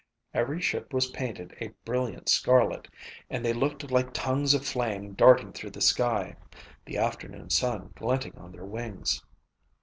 Every ship was painted a brilliant scarlet and they looked like tongues of flames darting through the sky, the afternoon sun glinting on their wings.